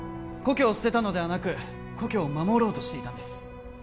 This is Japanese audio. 故郷を捨てたのではなく故郷を守ろうとしていたんです